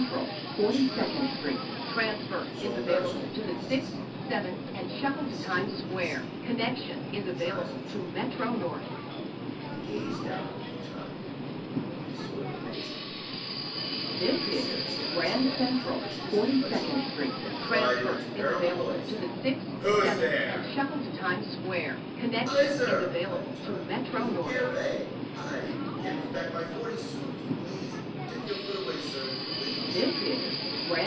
The child wept. Jean Valjean raised his head. He still remained seated. His eyes were troubled. He gazed at the child, in a sort of amazement, then he stretched out his hand towards his cudgel and cried in a terrible voice, "Who's there?" "I, sir," replied the child. "Little Gervais! I! Give me back my forty sous, if you please! Take your foot away, sir, if you please!"